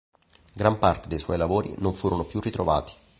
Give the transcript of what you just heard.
Gran parte dei suoi lavori non furono più ritrovati.